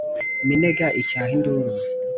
Minega icyaha induru